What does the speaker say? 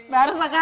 baru sekarang tapi